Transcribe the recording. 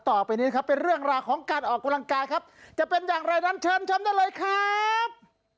ต่อไปนี้นะครับเป็นเรื่องราวของการออกกำลังกายครับจะเป็นอย่างไรนั้นเชิญชมได้เลยครับ